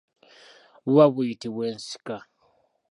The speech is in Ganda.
Buba buyitibwa ensika.